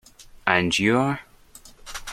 And you are?